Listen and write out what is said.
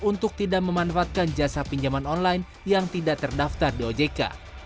untuk tidak memanfaatkan jasa pinjaman online yang tidak terdaftar di ojk